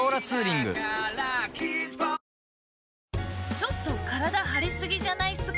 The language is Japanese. ちょっと体張り過ぎじゃないっすか！？